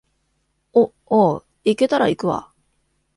お、おう、行けたら行くわ